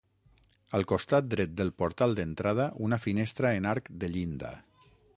Al costat dret del portal d'entrada, una finestra en arc de llinda.